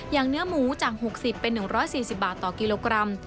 เนื้อหมูจาก๖๐เป็น๑๔๐บาทต่อกิโลกรัม